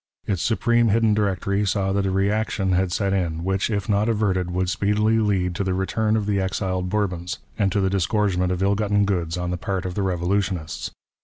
Its supreme hidden directory saAV that a re action had set in, which, if not averted, would speedily lead to the return of the exiled Bourbons, and to the disgorgement of ill gotten goods on the part of the revolutionists.